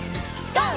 ＧＯ！